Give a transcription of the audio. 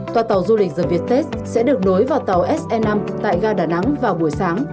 tòa tàu du lịch gerviettes sẽ được đối vào tàu se năm tại ga đà nẵng vào buổi sáng